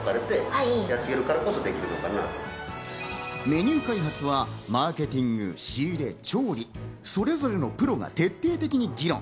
メニュー開発はマーケティング、仕入れ、調理、それぞれのプロが徹底的に議論。